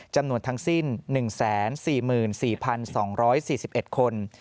จำนวนทั้งสิ้น๑๔๔๒๔๑คน